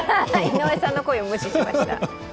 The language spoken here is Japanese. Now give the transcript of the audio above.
井上さんの声を無視しました。